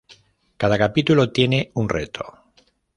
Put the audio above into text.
Cada capítulo tiene un reto.